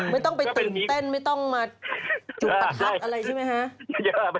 ไม่ต้องไปตื่นเต้นไม่ต้องมาจุดประทัดอะไรใช่ไหมคะ